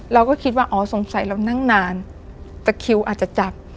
เราก็คิดว่าอ๋อสงสัยเรานั่งนานตะคิวอาจจะจับ